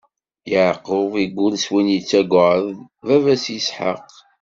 Yeɛqub iggull s win yettagwd baba-s Isḥaq.